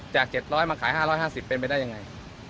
จากเจ็ดร้อยมาขายห้าร้อยห้าสิบเป็นไปได้ยังไง